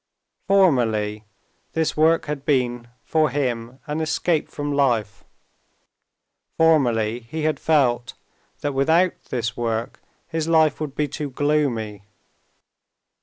Formerly this work had been for him an escape from life. Formerly he had felt that without this work his life would be too gloomy.